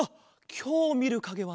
きょうみるかげはな